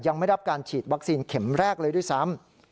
ยังไม่รับการฉีดวัคซีนเข็มแรกเลยด้วยซ้ำ